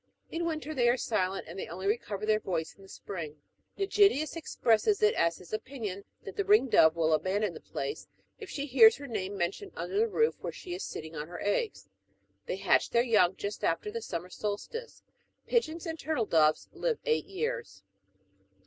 In winter the}' ai'e silent, and they only recover their voice in the spring, ^igidius expresses it as his opinion that the ring dove ^t11 abandon the place, if she hears her name mentioned under the roof where she is sitting on her eggs : they hatch their young just after °^ the summer solstice. Pigeons and turtle doves live eight years.